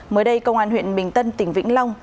mới đây công an huyện bình tân tỉnh vĩnh long